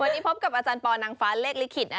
วันนี้พบกับอาจารย์ปอนางฟ้าเลขลิขิต